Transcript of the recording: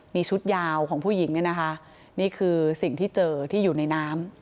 มีชุดยาวของผู้หญิงเนี่ยนะคะนี่คือสิ่งที่เจอที่อยู่ในน้ำ